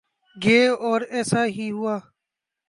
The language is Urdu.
گے اور ایسا ہی ہوا۔